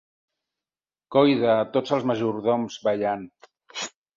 Coi de tots els majordoms ballant!